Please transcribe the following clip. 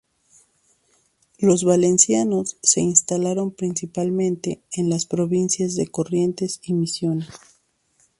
Los valencianos se instalaron principalmente en las provincias de Corrientes y Misiones.